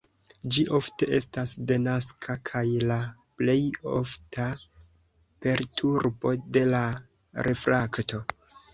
Ĝi ofte estas denaska kaj la plej ofta perturbo de la refrakto.